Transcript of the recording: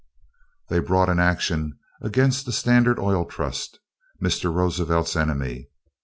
They brought an action against the Standard Oil Trust Mr. Roosevelt's enemy.